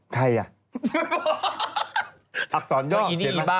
ใครอ่ะ